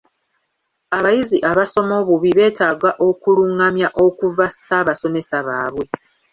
Abayizi abasoma obubi beetaaga okulungamya okuva bassaabasomesa baabwe.